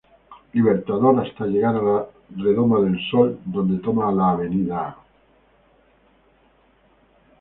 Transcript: Libertador hasta llegar a la redoma del Sol donde toma la Av.